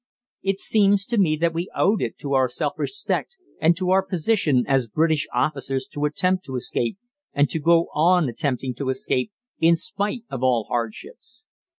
It seems to me that we owed it to our self respect and to our position as British officers to attempt to escape, and to go on attempting to escape, in spite of all hardships.